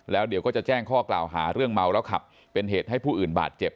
แล้วเดี๋ยวก็จะแจ้งข้อกล่าวหาเรื่องเมาแล้วขับเป็นเหตุให้ผู้อื่นบาดเจ็บ